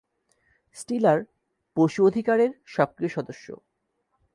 Stiller পশু অধিকার এর সক্রিয় সদস্য।